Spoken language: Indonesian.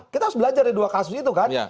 kita harus belajar dari dua kasus itu kan